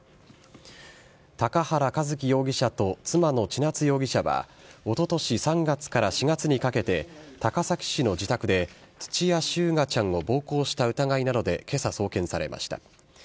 高原一貴容疑者と妻の千夏容疑者はおととし３月から４月にかけて、高崎市の自宅で、土屋翔雅ちゃんを暴行した疑いなどでけさ送検されました。